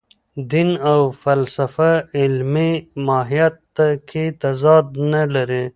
دین او فلسفه علمي ماهیت کې تضاد نه لري.